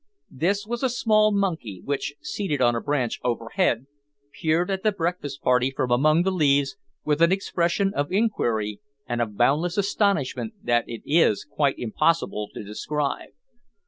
This was a small monkey, which, seated on a branch overhead, peered at the breakfast party from among the leaves, with an expression of inquiry and of boundless astonishment that it is quite impossible to describe.